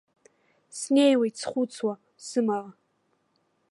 Снеиуеит схәыцуа, сымала.